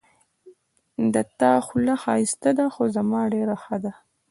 د تا خوله ښایسته ده خو زما ډېره ښه ده